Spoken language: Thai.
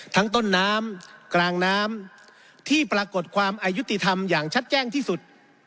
ต้นน้ำกลางน้ำที่ปรากฏความอายุติธรรมอย่างชัดแจ้งที่สุด